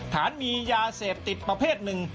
ฐานมียาเสพติดประเภทหนึ่ง